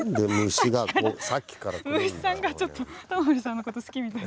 虫さんがちょっとタモリさんの事好きみたい。